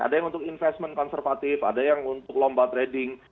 ada yang untuk investment konservatif ada yang untuk lomba trading